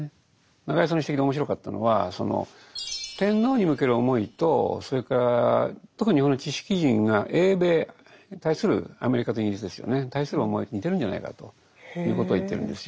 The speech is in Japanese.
中井さんの指摘で面白かったのはその天皇に向ける思いとそれから特に日本の知識人が英米に対するアメリカとイギリスですよね対する思いと似てるんじゃないかということを言ってるんですよ。